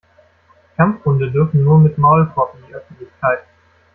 Kampfhunde dürfen nur mit Maulkorb in die Öffentlichkeit.